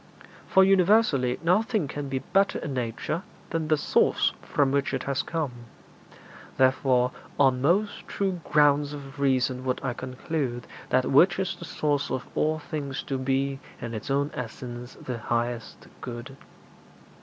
For universally nothing can be better in nature than the source from which it has come; therefore on most true grounds of reason would I conclude that which is the source of all things to be in its own essence the highest good.'